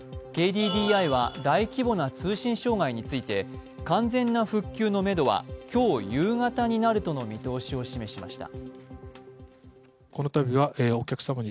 ＫＤＤＩは大規模な通信障害について完全な復旧のめどは今日夕方になるとの見通しを示しました。